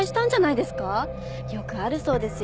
よくあるそうですよ